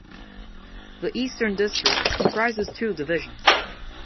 The Eastern District comprises two divisions.